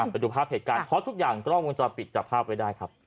ไปดูภาพเหตุการณ์เพราะทุกอย่างกล้องวงจรปิดจับภาพไว้ได้ครับ